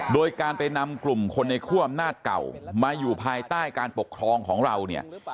โดยการไปนำกลุ่มคนในคั่วอำนาจเก่ามาอยู่ภายใต้การปกครองของเราเนี่ย